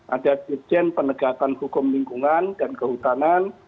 ada dirjen penegakan hukum lingkungan dan kehutanan